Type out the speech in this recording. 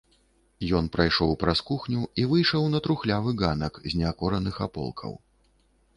Ён прайшоў праз кухню і выйшаў на трухлявы ганак з неакораных аполкаў.